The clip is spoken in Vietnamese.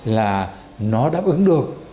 là nó đáp ứng được